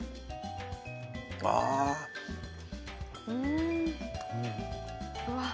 うん！うわ。